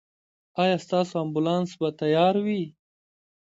ایا ستاسو امبولانس به تیار وي؟